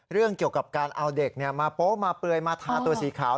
เรื่องเกี่ยวกับการเอาเด็กมาโป๊ะมาเปลือยมาทาตัวสีขาว